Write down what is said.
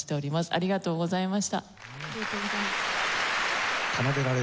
ありがとうございます。